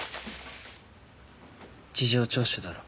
事情聴取だろ？